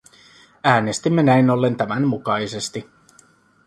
Äänestimme näin ollen tämän mukaisesti.